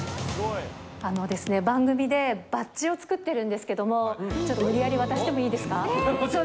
番組でバッジを作ってるんですけども、ちょっと無理やり渡してもいいですか？